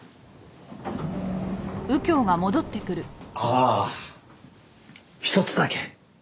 ああひとつだけ。